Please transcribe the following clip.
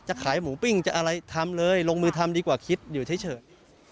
ขายหมูปิ้งจะอะไรทำเลยลงมือทำดีกว่าคิดอยู่เฉย